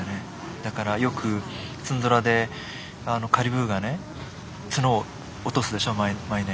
だからよくツンドラでカリブーがね角を落とすでしょう毎年。